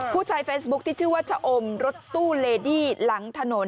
ผู้ใช้เฟซบุ๊คที่ชื่อว่าชะอมรถตู้เลดี้หลังถนน